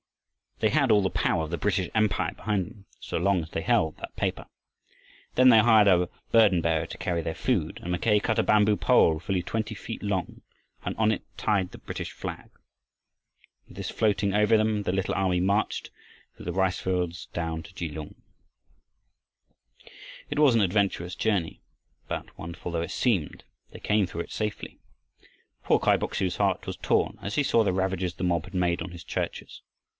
They had all the power of the British Empire behind them so long as they held that paper. Then they hired a burdenbearer to carry their food, and Mackay cut a bamboo pole, fully twenty feet long, and on it tied the British flag. With this floating over them, the little army marched through the rice fields down to Kelung. It was an adventurous journey. But, wonderful though it seemed, they came through it safely. Poor Kai Bok su's heart was torn as he saw the ravages the mob had made on his churches.